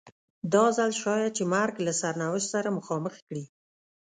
دا ځل شاید چې مرګ له سرنوشت سره مخامخ کړي.